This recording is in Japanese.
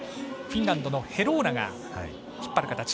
フィンランドのヘローラが引っ張る形。